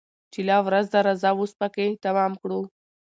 چي لا ورځ ده راځه وس پكښي تمام كړو